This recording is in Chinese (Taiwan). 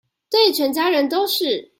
對全家人都是